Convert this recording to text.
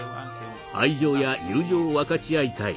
愛情や友情を分かち合いたい。